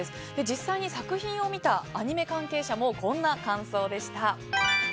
実際に作品を見たアニメ関係者もこんな感想でした。